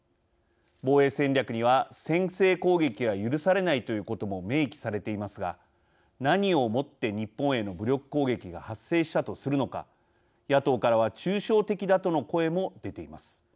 防衛戦略には「先制攻撃は許されない」ということも明記されていますが何をもって日本への武力攻撃が発生したとするのか野党からは抽象的だとの声も出ています。